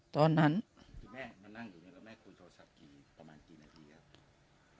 ตอนนั้นที่แม่มานั่งอยู่เนี่ยแล้วแม่คุยโทรศัพท์กี่ประมาณกี่นาทีครับ